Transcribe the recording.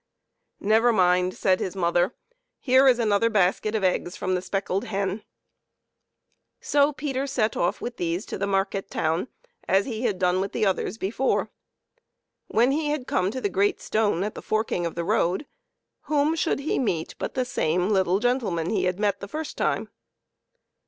" Never mind," said his mother, " here is another basket of eggs from the speckled hen." So Peter set off with these to the market town, as he had done with the others before. When he had come to the great stone at the forking of the road, whom should he meet but the same little gentleman he had met the first time.